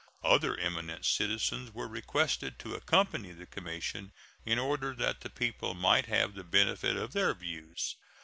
Other eminent citizens were requested to accompany the commission, in order that the people might have the benefit of their views.